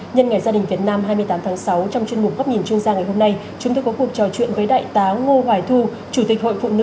nhân ngày gia đình việt nam hai mươi tám tháng sáu trong chuyên mục góp nhìn trung gia ngày hôm nay chúng tôi có cuộc trò chuyện với đại tá ngô hoài thu chủ tịch hội phụ nữ bộ công an